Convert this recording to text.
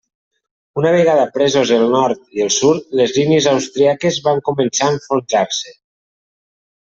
Una vegada presos el nord i el sud, les línies austríaques van començar a enfonsar-se.